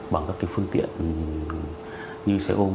bằng các phương tiện như xe ôm